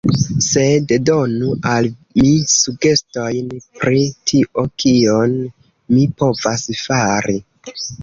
Sed, donu al mi sugestojn, pri tio, kion mi povas fari.